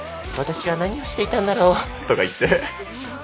私は何をしていたんだろう？とか言って。